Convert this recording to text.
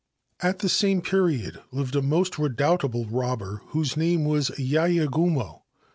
At the same period lived a most redoubtable robber whose name was Yayegumo.